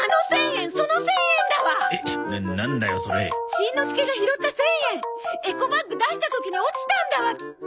しんのすけが拾った１０００円エコバッグ出した時に落ちたんだわきっと！